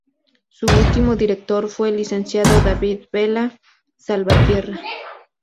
Su último director fue el licenciado David Vela Salvatierra.